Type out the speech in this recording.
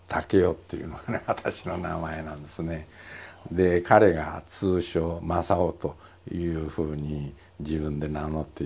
で彼が通称「まさお」というふうに自分で名乗って。